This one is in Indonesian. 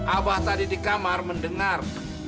abah tadi di kamar mendengar